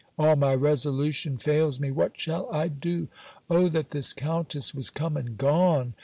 All my resolution fails me; what shall I do? O that this countess was come and gone!